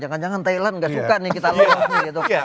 jangan jangan thailand gak suka nih kita lolos nih gitu